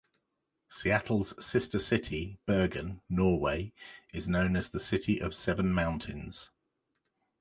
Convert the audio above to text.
Seattle's sister city, Bergen, Norway, is known as the City of Seven Mountains.